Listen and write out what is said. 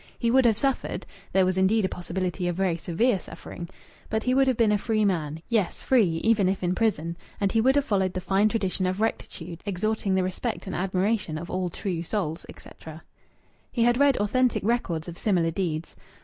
He would have suffered there was indeed a possibility of very severe suffering but he would have been a free man yes, free even if in prison, and he would have followed the fine tradition of rectitude, exhorting the respect and admiration of all true souls, etc. He had read authentic records of similar deeds.